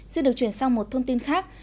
xin được chuyển sang một thông tin khác